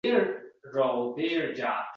Ruhi bilan